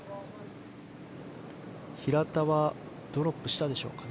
平田はドロップしたでしょうか。